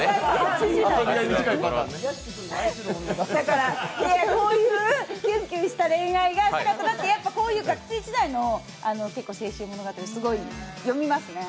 だから、こういうキュンキュンした恋愛がしたかった、こういう学生時代の結構青春物語、すごい読みますね。